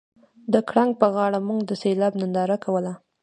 د ګړنګ په غاړه موږ د سیلاب ننداره کوله